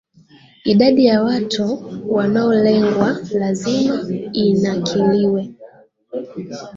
idadi ya watu wanaolengwa lazima inakiliwe